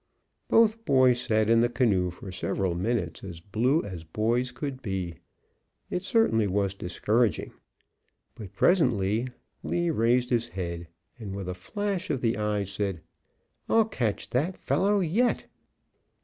Both boys sat in the canoe for several minutes as blue as boys could be. It certainly was discouraging. But presently Lee raised his head, and with a flash of the eyes said, "I'll catch that fellow yet!"